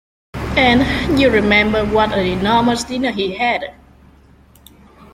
And you remember what an enormous dinner he had.